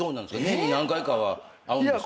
年に何回かは会うんですか？